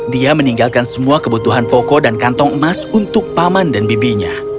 dia meninggalkan semua kebutuhan pokok dan kantong emas untuk paman dan bibinya